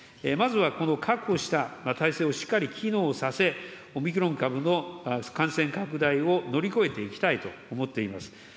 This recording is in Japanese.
まずはこの確保した体制をしっかり機能させ、オミクロン株の感染拡大を乗り越えていきたいと思っています。